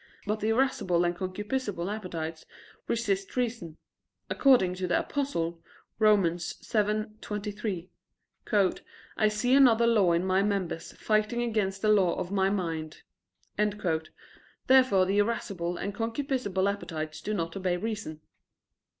But the irascible and concupiscible appetites resist reason: according to the Apostle (Rom. 7:23): "I see another law in my members fighting against the law of my mind." Therefore the irascible and concupiscible appetites do not obey reason.